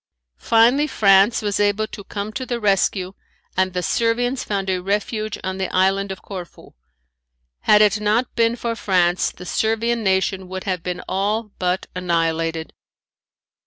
Finally France was able to come to the rescue and the Servians found a refuge on the island of Corfu. Had it not been for France the Servian nation would have been all but annihilated.